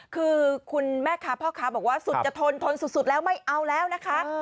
คือคุณแม่ค้าพ่อค้าบอกว่าสุดจะทนทนสุดแล้วไม่เอาแล้วนะคะ